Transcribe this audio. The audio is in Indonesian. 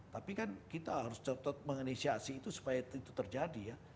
tapi kan kita harus tetap menganiasi itu supaya itu terjadi ya